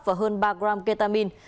và hơn ba gram ketamin